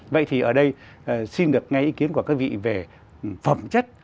vậy thì ở đây xin được ngay ý kiến của các vị về phẩm chất